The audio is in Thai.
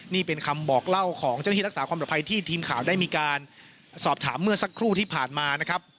นี่เป็นคำบอกเล่าของเจ้าหน้าที่รักษาความปลอดภัยที่ทีมข่าวได้มีการสอบถามเมื่อสักครู่ที่ผ่านมานะครับ